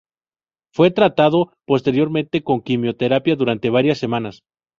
Fue tratado posteriormente con quimioterapia durante varias semanas.